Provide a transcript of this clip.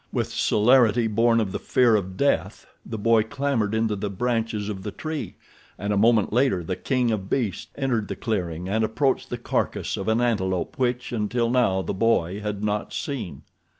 With celerity born of the fear of death the boy clambered into the branches of the tree, and a moment later the king of beasts entered the clearing and approached the carcass of an antelope which, until now, the boy had not seen.